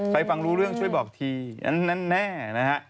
ฟังรู้เรื่องช่วยบอกทีอันแน่นะฮะ